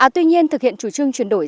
tuy nhiên thực hiện chủ trương chuyển đổi